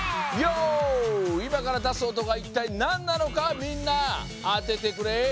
いまからだす音がいったいなんなのかみんなあててくれ。